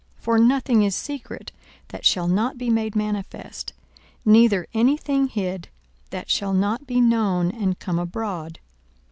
42:008:017 For nothing is secret, that shall not be made manifest; neither any thing hid, that shall not be known and come abroad.